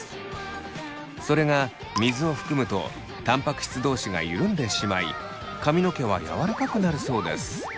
それが水を含むとたんぱく質同士が緩んでしまい髪の毛は柔らかくなるそうです。